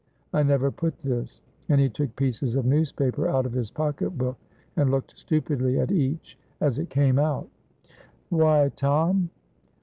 I never put this," and he took pieces of newspaper out of his pocketbook, and looked stupidly at each as it came out. "Why, Tom?"